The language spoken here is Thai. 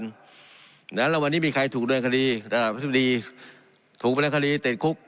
อย่างนั้นเราวันนี้มีใครถูกเนินคดีถูกเนินคดีเต็ดคุก